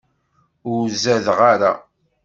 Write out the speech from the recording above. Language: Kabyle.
Ur zadeɣ ara.